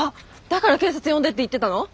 だから警察呼んでって言ってたの？